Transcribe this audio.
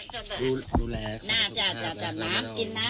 น่าจะน้ำกินน้ำน้ำกินน้ำ